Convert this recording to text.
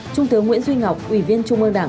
trung tướng nguyễn duy ngọc ủy viên trung ương đảng